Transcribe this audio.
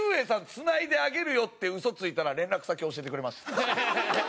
つないであげるよって嘘ついたら連絡先教えてくれました。